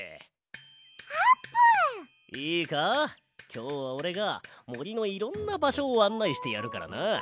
きょうはおれがもりのいろんなばしょをあんないしてやるからな。